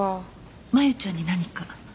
麻由ちゃんに何か？